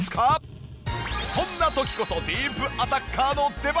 そんな時こそディープアタッカーの出番！